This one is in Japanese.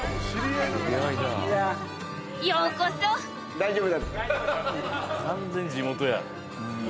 大丈夫。